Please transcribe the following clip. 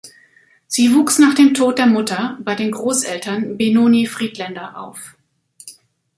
Sie wuchs nach dem Tod der Mutter bei den Großeltern Benoni Friedländer auf.